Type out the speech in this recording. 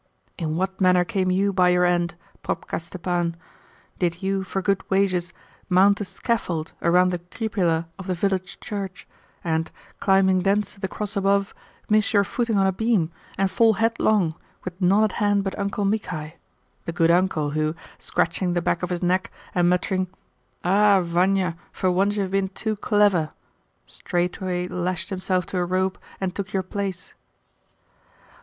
In what manner came you by your end, Probka Stepan? Did you, for good wages, mount a scaffold around the cupola of the village church, and, climbing thence to the cross above, miss your footing on a beam, and fall headlong with none at hand but Uncle Michai the good uncle who, scratching the back of his neck, and muttering, 'Ah, Vania, for once you have been too clever!' straightway lashed himself to a rope, and took your place?